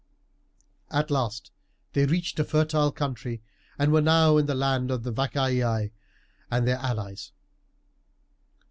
At last they reached a fertile country, and were now in the land of the Vacaei and their allies.